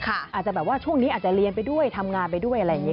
อาจจะแบบว่าช่วงนี้อาจจะเรียนไปด้วยทำงานไปด้วยอะไรอย่างนี้